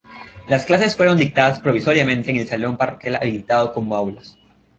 Las clases fueron dictadas provisoriamente en el salón parroquial habilitado como aulas.